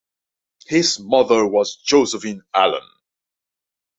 His mother was Josephine Allan.